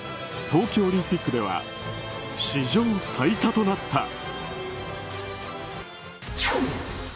冬季オリンピックでは史上最多となった。